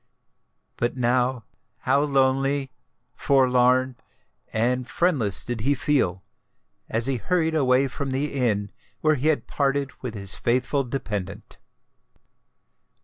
But now how lonely, forlorn, and friendless did he feel, as he hurried away from the inn where he had parted with his faithful dependant!